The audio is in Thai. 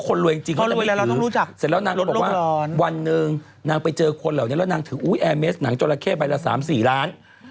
เสร็จแล้วนางบอกว่าวันหนึ่งนางไปเจอคนเหล่านี้แล้วนางถืออุ๊ยแอร์เมสหนังจนละแคบไปละ๓๔ล้าน